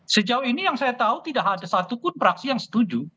sejauh ini yang saya tahu tidak ada satupun praksi yang setuju